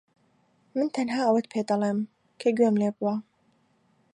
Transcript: من تەنها ئەوەت پێدەڵێم کە گوێم لێ بووە.